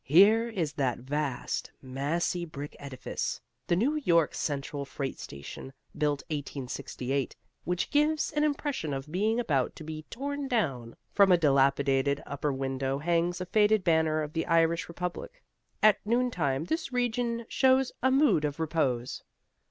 Here is that vast, massy brick edifice, the New York Central freight station, built 1868, which gives an impression of being about to be torn down. From a dilapidated upper window hangs a faded banner of the Irish Republic. At noontime this region shows a mood of repose.